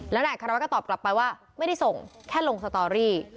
แล้วนายอัครวัตก็ตอบกลับไปว่าไม่ได้ส่งแค่ลงสตอรี่